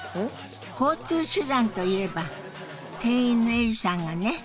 交通手段といえば店員のエリさんがね